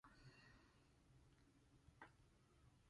And we will.